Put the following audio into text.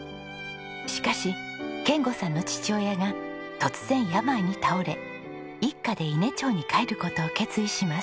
しかし賢吾さんの父親が突然病に倒れ一家で伊根町に帰る事を決意します。